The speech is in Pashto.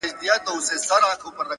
دا راته مه وايه چي تا نه منم دى نه منم-